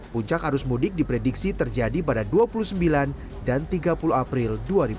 puncak arus mudik diprediksi terjadi pada dua puluh sembilan dan tiga puluh april dua ribu dua puluh